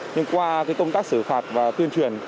nhưng qua công tác xử phạt và tuyên truyền